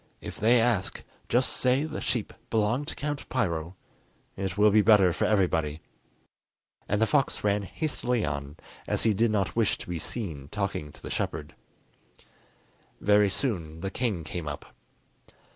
If they ask, just say the sheep belong to Count Piro; it will be better for everybody." And the fox ran hastily on, as he did not wish to be seen talking to the shepherd. Very soon the king came up.